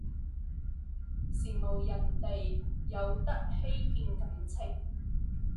羨慕人哋有得欺騙感情